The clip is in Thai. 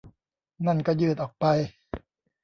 นั่นก็ยืดออกไป